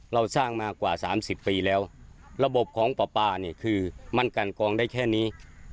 เราสร้างมากว่า๓๐ปีแล้วระบบของปลาปลาเนี่ยคือมั่นกันกองได้แค่นี้